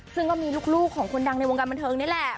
ซึ่งก็มีลูกของคนดังในวงการบันเทิงนี่แหละ